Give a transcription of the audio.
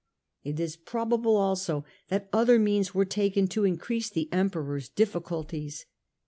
It is probable also that other means were taken to increase the Emperor's difficulties.